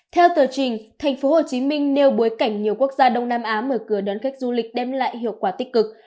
theo tờ trình thành phố hồ chí minh nêu bối cảnh nhiều quốc gia đông nam á mở cửa đón khách du lịch đem lại hiệu quả tích cực